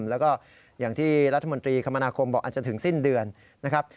แล้วก็อย่างที่รัฐมนตรีคมนาคมบอกอาจจะถึงสิ้นเดือนนะครับ